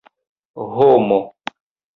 homo